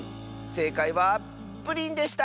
せいかいはプリンでした！